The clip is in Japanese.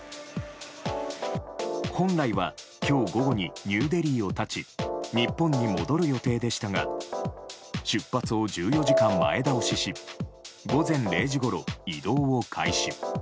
本来は今日午後にニューデリーを発ち日本に戻る予定でしたが出発を１４時間前倒しし午前０時ごろ、移動を開始。